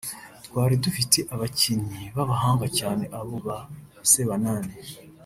twari dufite abakinnyi b’abahanga cyane abo ba Sebanani